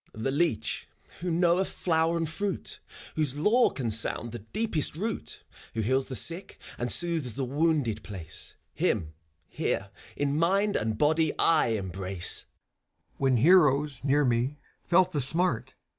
FAUST. The leech, who knoweth flower and fruit, Whose lore can sound the deepest root, — Who heals the sick, and soothes the wounded place, Him, here, in mind and body I embrace t CHIRON. When heroes, near me, felt the smart.